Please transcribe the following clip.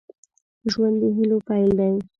ژوند د هيلو پيل دی.